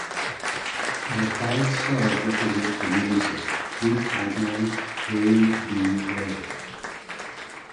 The five stars represent her namesake Fleet Admiral William D. Leahy.